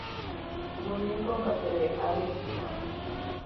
Murió en combate en Álamos, Sonora.